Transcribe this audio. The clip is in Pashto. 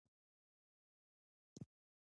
جګړه په خورېدو وه.